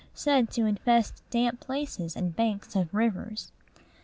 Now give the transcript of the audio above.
said to infest damp places, and banks of rivers.